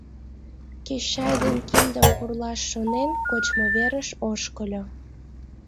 Кеч чай ден киндым пурлаш шонен, кочмо верыш ошкыльо.